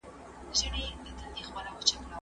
لوستې نجونې د عامه چارو په تنظيم کې مرسته کوي.